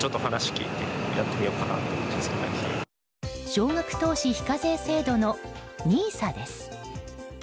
少額投資非課税制度のＮＩＳＡです。